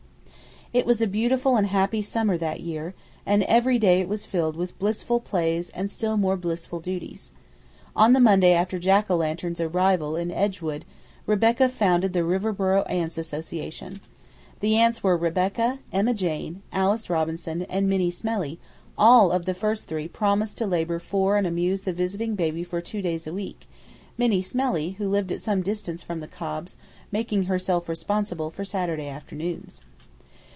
It was a beautiful and a happy summer that year, and every day it was filled with blissful plays and still more blissful duties. On the Monday after Jack o' lantern's arrival in Edgewood Rebecca founded the Riverboro Aunts Association. The Aunts were Rebecca, Emma Jane, Alice Robinson, and Minnie Smellie, and each of the first three promised to labor for and amuse the visiting baby for two days a week, Minnie Smellie, who lived at some distance from the Cobbs, making herself responsible for Saturday afternoons.